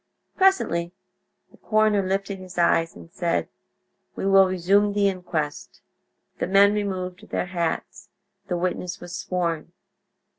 Presently the coroner lifted his eyes and said: "We will resume the inquest." The men removed their hats. The witness was sworn.